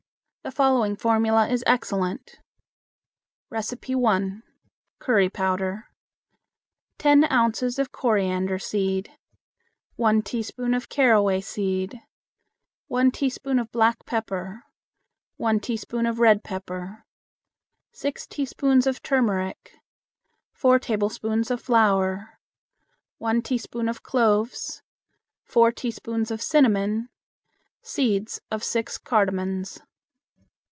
The following formula is excellent: 1. Curry Powder. 10 ounces of coriander seed; 1 teaspoon of caraway seed; 1 teaspoon of black pepper; 1 teaspoon of red pepper; 6 teaspoons of turmeric; 4 tablespoons of flour; 1 teaspoon of cloves; 4 teaspoons of cinnamon; Seeds of six cardamons.